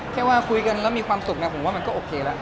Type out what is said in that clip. แค่ว่าคุยกันแล้วมีความสุขนะผมว่ามันก็โอเคแล้ว